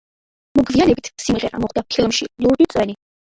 მოგვიანებით სიმღერა მოხვდა ფილმში „ლურჯი წვენი“.